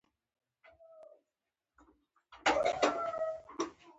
د دود کش منځ له تور لوګي څخه ډک و.